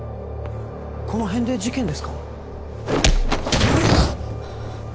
この辺で事件ですか？